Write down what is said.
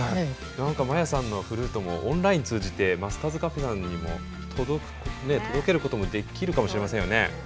何かまやさんのフルートもオンライン通じてマスターズＣａｆｅさんにも届けることもできるかもしれませんよね。